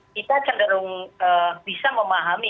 kita cenderung bisa memahami